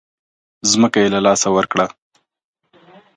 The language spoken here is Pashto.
ځمکه یې له لاسه ورکړه.